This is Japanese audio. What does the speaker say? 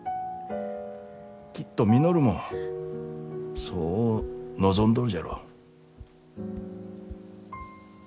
きっと稔もそう望んどるじゃろう。